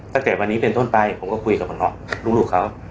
ตั้งแต่วันนี้เป็นต้นไปผมก็คุยกับหมอน็อกลูกเขา